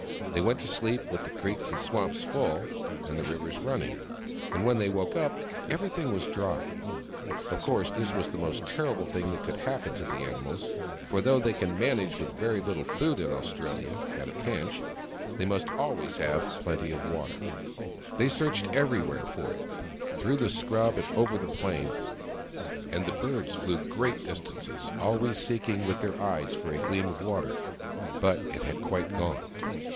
They went to sleep with the creeks and swamps full, and the rivers running ; and when they woke up, every thing was dry. Of course, this was the most terrible thing that could happen to the animals, for though they can manage with very little food in Australia, at a pinch, they must always have plenty of water. 115 ii6 THE FROG THAT LAUGHED They searched everywhere for it, through the scrub and over the plains ; and the birds flew great dis tances, always seeking with their eyes for a gleam of water. But it had quite gone.